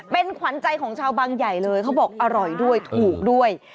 เป็นขวัญใจของชาวบางใหญ่เลยเขาบอกอร่อยด้วยถูกด้วย